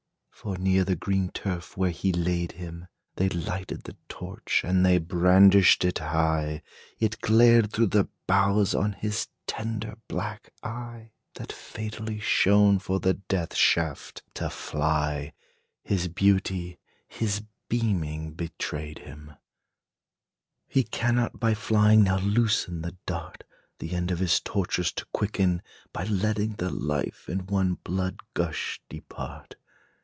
For near the green turf where he laid him, They lighted the torch, and they brandished it high; It glared through the boughs on his tender black eye, That fatally shone for the death shaft to fly; His beauty, his beaming betrayed him: He cannot by flying now loosen the dart, The end of his tortures to quicken, By letting the life in one blood gush depart.